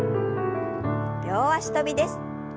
両脚跳びです。